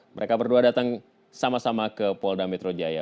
mereka berdua datang sama sama ke polda metro jaya